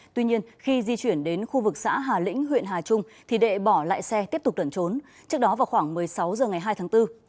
tuy nhiên khi di chuyển đến khu vực xã hà lĩnh huyện hà trung thì đệ bỏ lại xe tiếp tục đẩn trốn trước đó vào khoảng một mươi sáu h ngày hai tháng bốn